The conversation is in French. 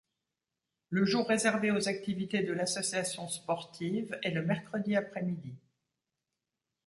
Le jour réservé aux activités de l'association sportive est le mercredi après-midi.